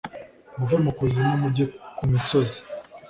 muve mu kuzimu mujye ku misozi